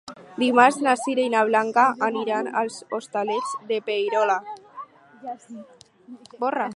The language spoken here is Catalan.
Dimarts na Sira i na Blanca aniran als Hostalets de Pierola.